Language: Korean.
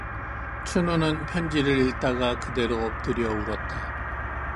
춘우는 편지를 읽다가 그대로 엎드려 울었다.